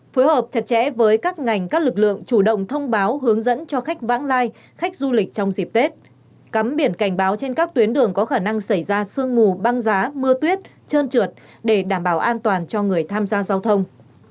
phối hợp chặt chẽ với các ngành các lực lượng chủ động thông báo hướng dẫn cho khách vãng lai khách du lịch trong dịp tết cắm biển cảnh báo trên các tuyến đường có khả năng xảy ra sương mù băng giá mưa tuyết trơn trượt để đảm bảo an toàn cho người tham gia giao thông